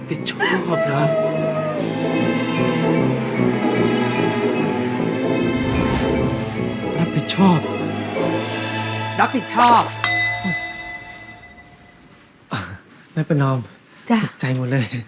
พี่จะไม่รับผิดชอบสายฝนใช่ไหม